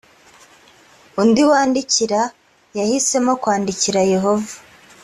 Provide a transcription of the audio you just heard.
undi wandikira yahisemo kwandikira yehova